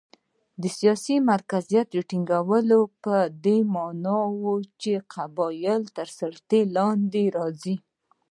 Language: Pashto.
د سیاسي مرکزیت ټینګول په دې معنا و چې قبیلې تر سلطې لاندې راځي.